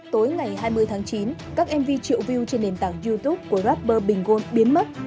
tối ngày hai mươi tháng chín các mv triệu view trên nền tảng youtube của rapper bình gôn biến mất